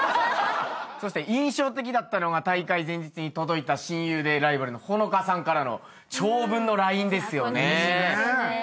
そして印象的だったのが大会前日に届いた親友でライバルの帆乃花さんからの長文のＬＩＮＥですよね。